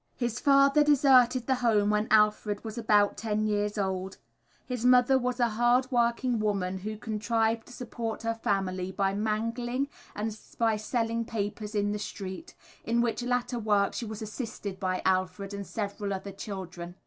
His father deserted the home when Alfred was about ten years old. His mother was a hard working woman who contrived to support her family by mangling and by selling papers in the streets, in which latter work she was assisted by Alfred and several other children.